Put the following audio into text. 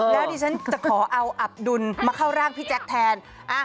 แล้วดิฉันจะขอเอาอับดุลมาเข้าร่างพี่แจ๊คแทน